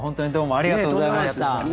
ありがとうございます。